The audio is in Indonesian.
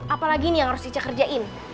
apa lagi nih yang harus dicekerjain